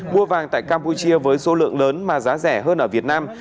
mua vàng tại campuchia với số lượng lớn mà giá rẻ hơn ở việt nam